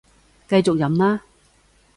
繼續飲啦